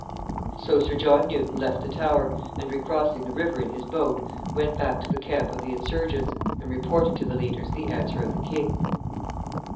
So Sir John Newton left the Tower, and, recrossing the river in his boat, went back to the camp of the insurgents, and reported to the leaders the answer of the king.